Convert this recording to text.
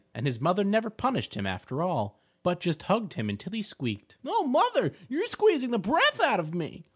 And his mother never punished him after all, but just hugged him until he squeaked, "Oh, mother, you're squeezing the breath out of me!"